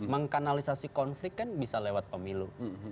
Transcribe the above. mengkanalisasi konflik kan bisa lewat pemilu